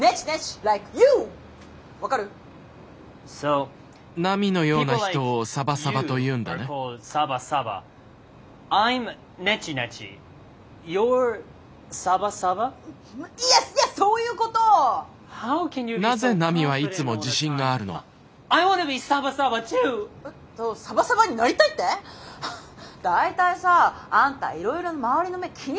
大体さあんたいろいろ周りの目気にしすぎなんだよ。